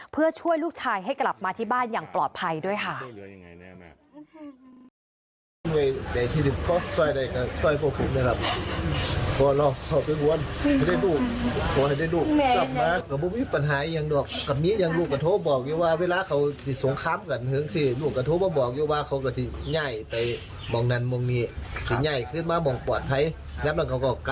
เพื่อช่วยลูกชายให้กลับมาที่บ้านอย่างปลอดภัยด้วยค่ะ